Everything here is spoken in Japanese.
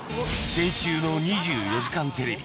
先週の『２４時間テレビ』